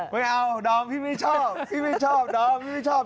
ไม่เอาดอมพี่ไม่ชอบพี่ไม่ชอบดอมพี่ไม่ชอบ